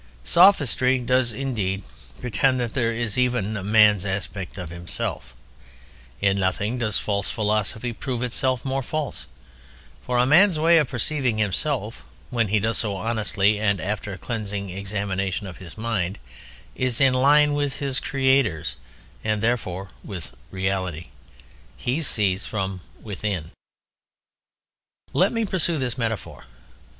Sophistry does indeed pretend that there is even a man's "aspect" of himself. In nothing does false philosophy prove itself more false. For a man's way of perceiving himself (when he does so honestly and after a cleansing examination of his mind) is in line with his Creator's, and therefore with reality: he sees from within. Let me pursue this metaphor.